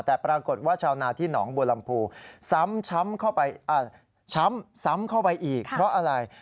แต่ปรากฏว่าชาวนาที่หนองบัวลำพูส้ำช้ำเข้าไปอีกเพราะอะไร